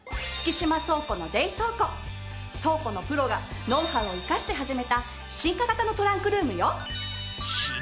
倉庫のプロがノウハウを生かして始めた進化型のトランクルームよ。